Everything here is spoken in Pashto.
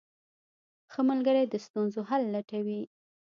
ښه ملګری د ستونزو حل لټوي.